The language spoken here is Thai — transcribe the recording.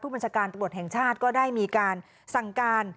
บัญชาการตำรวจแห่งชาติก็ได้มีการสั่งการ